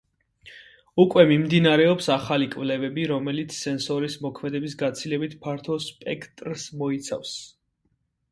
უკვე მიმდინარეობს ახალი კვლევები, რომელიც სენსორის მოქმედების გაცილებით ფართო სპექტრს მოიცავს.